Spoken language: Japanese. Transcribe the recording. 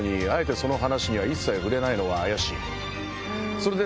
それで。